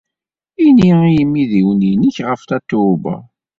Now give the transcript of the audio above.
Ini i yimidiwen-nnek ɣef Tatoeba.